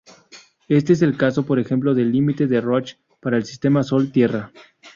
Este es el caso, por ejemplo, del límite de Roche para el sistema Sol-Tierra.